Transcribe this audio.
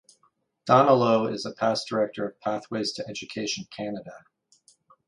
Donolo is a past director of Pathways to Education Canada.